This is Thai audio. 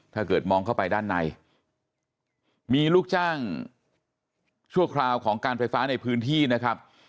ถ้าเกิดมองเข้าไปด้านในมีลูกจ้างชั่วคราวของการไฟฟ้าในพื้นที่นะครับ